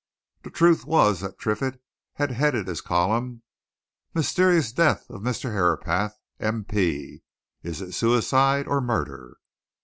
The truth was that Triffitt had headed his column: "MYSTERIOUS DEATH OF MR. HERAPATH, M.P. IS IT SUICIDE OR MURDER?"